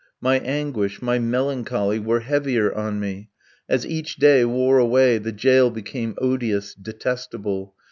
My anguish, my melancholy, were heavier on me; as each day wore away the jail became odious, detestable.